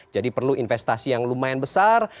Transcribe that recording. jadi perlu investasi yang lumayan besar